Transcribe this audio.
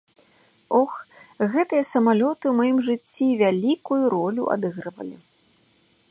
Ох, гэтыя самалёты ў маім жыцці вялікую ролю адыгрывалі.